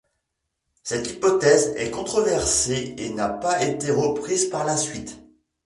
Cette hypothèse est controversée et n'a pas été reprise par la suite.